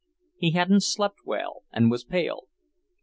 He hadn't slept well, and was pale.